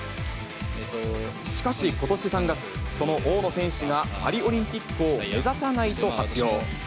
しかし、ことし３月、その大野選手がパリオリンピックを目指さないと発表。